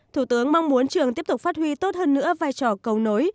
thủ tướng mong muốn trường tiếp tục phát huy tốt hơn nữa vai trò cầu nối